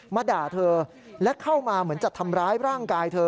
มาด่าเธอและเข้ามาเหมือนจะทำร้ายร่างกายเธอ